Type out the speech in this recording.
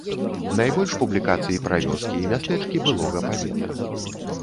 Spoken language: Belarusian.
Найбольш публікацый пра вёскі і мястэчкі былога павета.